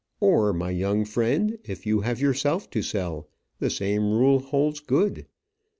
Or, my young friend, if you have yourself to sell, the same rule holds good.